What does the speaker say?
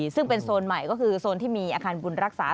ซึ่งเป็นโซนใหม่ก็คือโซนที่มีอาคารบุญรักษา